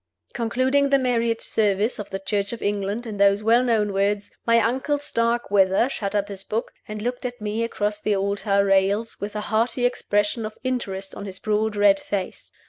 Concluding the Marriage Service of the Church of England in those well known words, my uncle Starkweather shut up his book, and looked at me across the altar rails with a hearty expression of interest on his broad, red face.